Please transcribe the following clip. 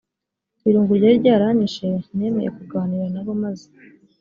irungu ryari ryaranyishe nemeye kuganira na bo maze